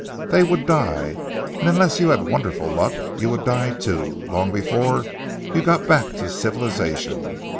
They would die, and unless you had wonderful luck you would die too, long before you got back to civilization.